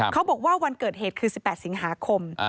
บอกว่าวันเกิดเหตุคือ๑๘สิงหาคม